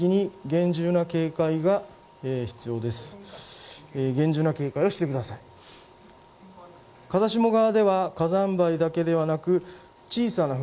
厳重な警戒をしてください。